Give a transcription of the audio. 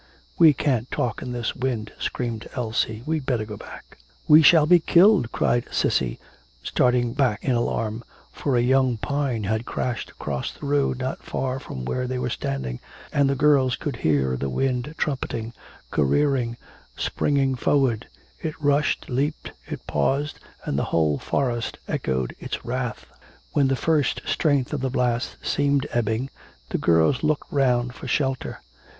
'We can't talk in this wind,' screamed Elsie, 'we'd better go back.' 'We shall be killed,' cried Cissy starting back in alarm, for a young pine had crashed across the road not very far from where they were standing, and the girls could hear the wind trumpeting, careering, springing forward; it rushed, leaped, it paused, and the whole forest echoed its wrath. When the first strength of the blast seemed ebbing, the girls looked round for shelter.